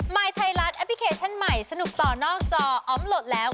ยไทยรัฐแอปพลิเคชันใหม่สนุกต่อนอกจออมโหลดแล้ว